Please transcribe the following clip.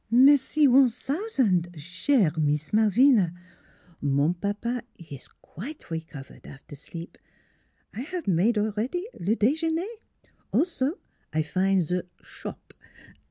" Merci one sousand, chere Mees Malvina, mon papa 'e ees quite recover after sleep. I 'ave make already dejeuner. Also, I find ze shop.